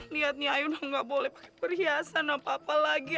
lihat nih ayo gak boleh pakai perhiasan apa apa lagi